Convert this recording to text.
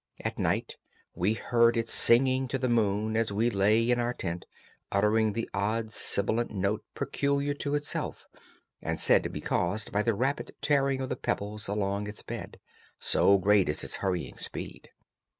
At night we heard it singing to the moon as we lay in our tent, uttering that odd sibilant note peculiar to itself and said to be caused by the rapid tearing of the pebbles along its bed, so great is its hurrying speed.